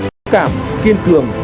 tự cảm kiên cường